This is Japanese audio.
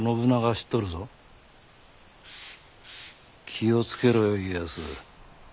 気を付けろよ家康。